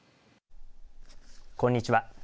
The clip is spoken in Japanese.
こんにちは。